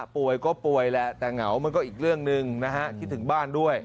ป่วยก็ป่วยแหละแต่เหงามันก็อีกเรื่องหนึ่งนะฮะคิดถึงบ้านด้วย